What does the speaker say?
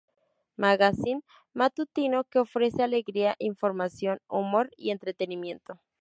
Magazine matutino que ofrece alegría, información, humor y entretenimiento.